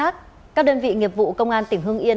các đơn vị nghiệp vụ công an tỉnh hương yên